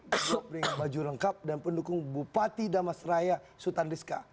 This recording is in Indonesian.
dengan baju lengkap dan pendukung bupati damastraya sutan rizka